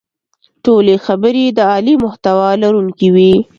ټولې خبرې د عالي محتوا لرونکې وې.